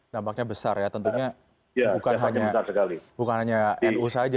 dampaknya besar ya tentunya bukan hanya nu saja yang sudah menekan komunikasi ini